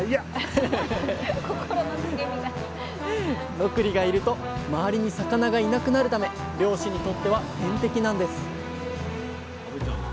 ノクリがいると周りに魚がいなくなるため漁師にとっては天敵なんです